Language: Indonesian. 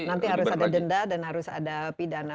nanti harus ada denda dan harus ada pidana